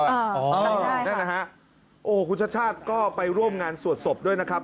เออทำได้ครับโอ้โฮคุณชาติชาติก็ไปร่วมงานสวดศพด้วยนะครับ